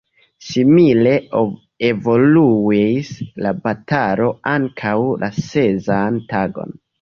Simile evoluis la batalo ankaŭ la sesan tagon.